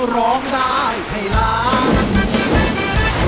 ร้องได้ให้ล้าน